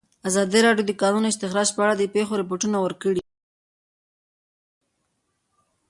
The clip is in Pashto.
ازادي راډیو د د کانونو استخراج په اړه د پېښو رپوټونه ورکړي.